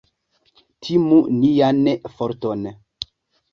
Timu nian forton!